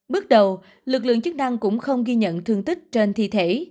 bước đầu lực lượng chức năng cũng không ghi nhận thương tích trên thi thể